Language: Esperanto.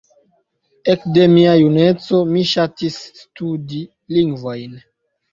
Ekde mia juneco, mi ŝatis studi lingvojn.